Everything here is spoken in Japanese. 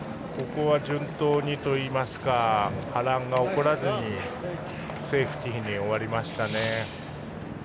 ここは順当にといいますか波乱が起こらずにセーフティーに終わりましたね。